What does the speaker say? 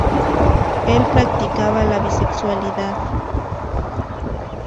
Él practicaba la bisexualidad.